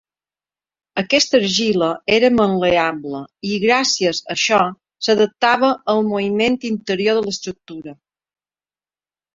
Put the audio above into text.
Aquesta argila era mal·leable i gràcies a això s'adaptava al moviment interior de l'estructura.